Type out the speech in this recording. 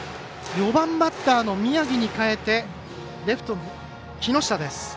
４番バッターの宮城に代えてレフト、木下です。